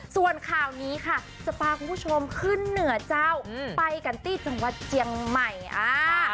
ส่วนข่าวนี้ค่ะจะพาคุณผู้ชมขึ้นเหนือเจ้าไปกันที่จังหวัดเจียงใหม่อ่า